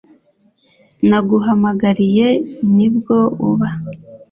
naguhamagariye nibwo uba